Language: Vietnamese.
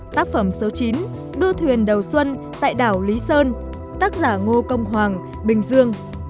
tác phẩm số chín đua thuyền đầu xuân tại đảo lý sơn tác giả ngô công hoàng bình dương